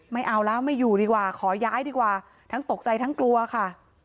ไม่เอาแล้วไม่อยู่ดีกว่าขอย้ายดีกว่าทั้งตกใจทั้งกลัวค่ะ